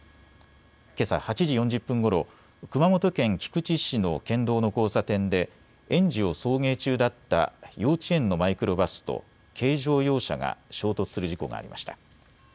けさ８時４０分ごろ熊本県菊池市の県道の交差点で園児を送迎中だった幼稚園のマイクロバスと軽乗用車が衝突する事故がありました。